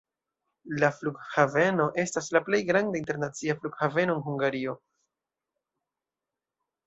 La Flughaveno estas la plej granda internacia flughaveno en Hungario.